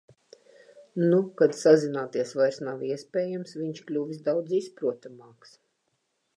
Nu, kad sazināties vairs nav iespējams, viņš kļuvis daudz izprotamāks.